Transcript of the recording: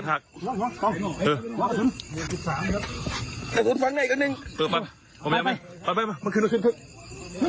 ไม่ถึงสามเนี่ย